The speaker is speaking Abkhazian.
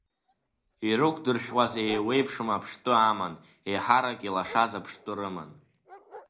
Ирықәдыршәуаз еиуеиԥшым аԥштәы аман, еиҳарак илашаз аԥштәы рыман.